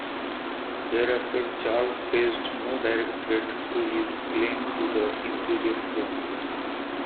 Thereafter, Charles faced no direct threat to his claim to the Imperial throne.